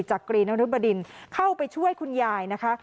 กรีนรุบดินเข้าไปช่วยคุณยายนะคะ